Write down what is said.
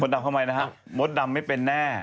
มดดำทำไมนะฮะมดดำไม่เป็นแน่